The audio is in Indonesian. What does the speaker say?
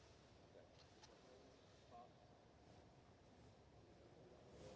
kepada prajurit yang telah menjadi korban keganasan terorisme